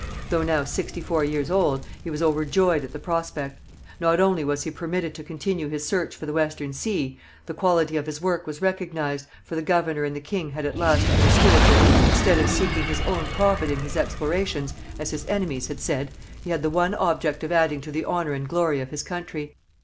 Though now sixty four years old, he was overjoyed at the prospect. Not only was he permitted to continue his search for the Western Sea; the quality of his work was recognized, for the governor and the king had at last understood that, instead of seeking his own profit in his explorations, as his enemies had said, he had the one object of adding to the honour and glory of his country.